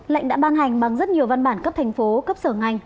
lệnh đã ban hành bằng rất nhiều văn bản cấp thành phố cấp sở ngành